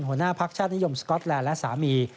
หัวหน้าพักชาตินิยมสก๊อตแลนด์และสามี